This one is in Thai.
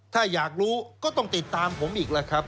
ถ้าอยากรู้ก็ต้องติดตามผมอีกแล้วครับ